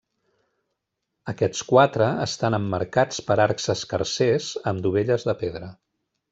Aquests quatre estan emmarcats per arcs escarsers, amb dovelles de pedra.